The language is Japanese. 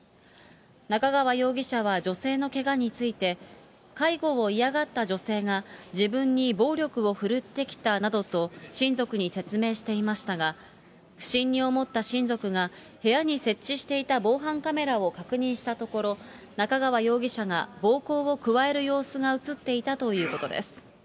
中川容疑者は女性のけがについて、介護を嫌がった女性が自分に暴力を振るってきたなどと親族に説明していましたが、不審に思った親族が、部屋に設置していた防犯カメラを確認したところ、中川容疑者が暴行を加える様子が写っていたということです。